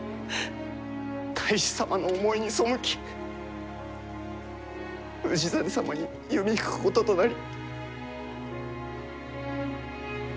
太守様の思いに背き氏真様に弓引くこととなり。